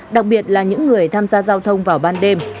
đặc biệt là những người tham gia giao thông vào ban đêm